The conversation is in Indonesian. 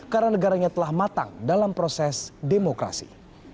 karena negaranya telah matang dalam proses demokrasi